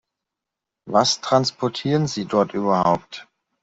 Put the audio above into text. Was transportieren Sie dort überhaupt?